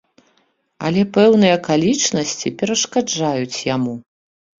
Але пэўныя акалічнасці перашкаджаюць яму.